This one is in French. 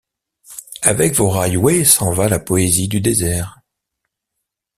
Avec vos railways s’en va la poésie du désert.